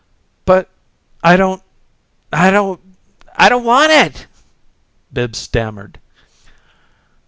"But I don't I don't I don't want it!" Bibbs stammered.